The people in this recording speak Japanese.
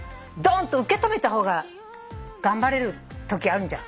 ドンと受け止めた方が頑張れるときあん